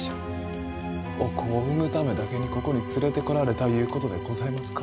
お子を産むためだけにここに連れてこられたいうことでございますか？